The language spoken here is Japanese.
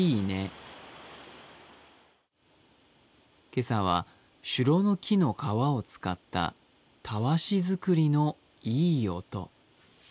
今朝はシュロの木の皮を使ったたわし作りのいい音。